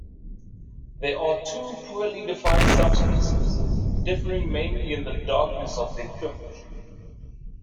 There are two poorly defined subspecies, differing mainly in the darkness of the plumage.